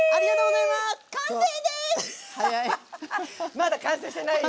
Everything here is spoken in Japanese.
まだ完成してないよ。